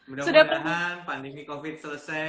mudah mudahan pandemi covid selesai